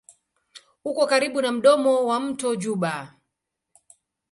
Uko karibu na mdomo wa mto Juba.